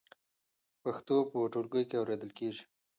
پښتو په ټولګي کې اورېدل کېږي.